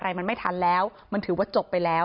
มันไม่ทันแล้วมันถือว่าจบไปแล้ว